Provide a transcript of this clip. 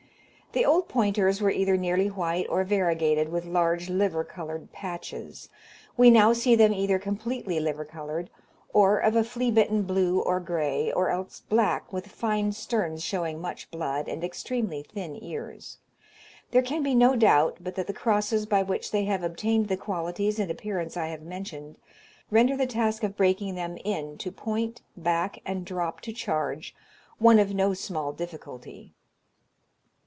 The old pointers were either nearly white or variegated with large liver coloured patches. We now see them either completely liver coloured, or of a flea bitten blue or grey, or else black, with fine sterns showing much blood, and extremely thin ears. There can be no doubt but that the crosses by which they have obtained the qualities and appearance I have mentioned, render the task of breaking them in to point, back, and drop to charge, one of no small difficulty.